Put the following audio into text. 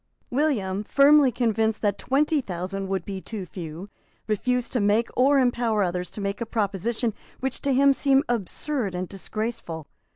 William, firmly convinced that twenty thousand would be too few, refused to make or empower others to make a proposition which seemed to him absurd and disgraceful.